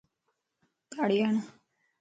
تاڙي ھڙ